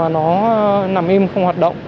nó nằm im không hoạt động